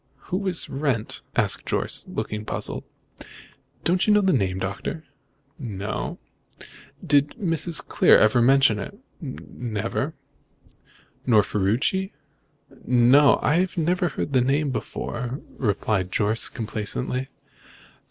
"Who is Wrent?" asked Jorce, looking puzzled. "Don't you know the name, Doctor?" "No." "Did Mrs. Clear never mention it?" "Never." "Nor Ferruci?" "No. I never heard the name before," replied Jorce complacently.